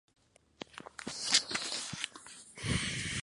Además de óperas, ha escrito música de cámara, orquestal y canciones.